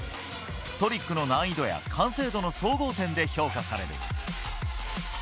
トリックの難易度や完成度の総合点で評価される。